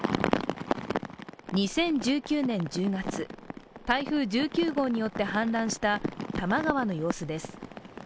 ２０１９年１０月、台風１９号によって氾濫した多摩川の様子です。